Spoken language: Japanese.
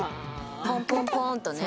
ポンポンポンとね。